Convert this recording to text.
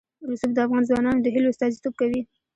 رسوب د افغان ځوانانو د هیلو استازیتوب کوي.